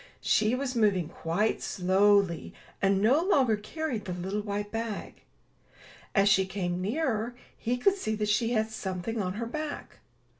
She was moving quite slowly, and no longer carried the little white bag. As she came nearer, he could see that she had something on her back.